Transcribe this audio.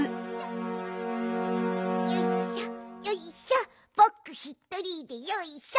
よいしょよいしょぼくひとりでよいしょ！